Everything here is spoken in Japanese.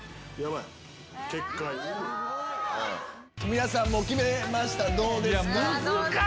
皆さんもう決めました？